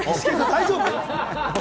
大丈夫？